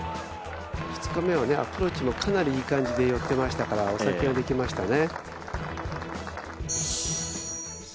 ２日目はアプローチもかなりいい感じで寄ってましたからお先ができましたね。